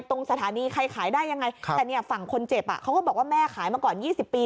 ตรงสถานีใครขายได้ยังไงแต่เนี่ยฝั่งคนเจ็บอ่ะเขาก็บอกว่าแม่ขายมาก่อน๒๐ปี